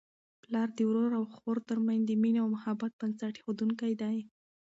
پلار د ورور او خور ترمنځ د مینې او محبت بنسټ ایښودونکی دی.